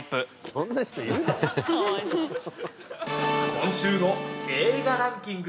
［今週の映画ランキング